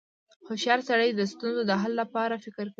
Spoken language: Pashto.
• هوښیار سړی د ستونزو د حل لپاره فکر کوي.